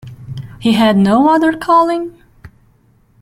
He had no other calling?